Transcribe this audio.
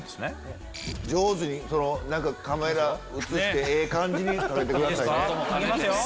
上手にカメラ映してええ感じに食べてくださいね。